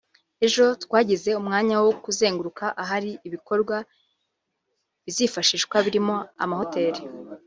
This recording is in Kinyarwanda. Ati ‘‘Ejo twagize umwanya wo kuzenguruka ahari ibikorwa bizifashishwa birimo amahoteli